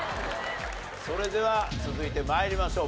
それでは続いて参りましょう。